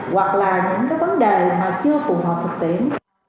hoặc là những cái vấn đề mà chưa phù hợp thực tiễn